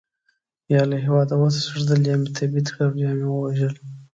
یا له هېواده وتښتېدل، یا مې تبعید کړل او یا مې ووژل.